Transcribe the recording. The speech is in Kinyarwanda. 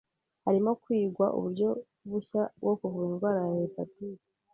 Harimo kwigwa uburyo bushya bwo kuvura indwara ya hepatite.